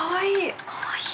かわいい。